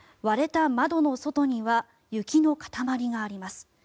割れた窓の外には雪の塊があります。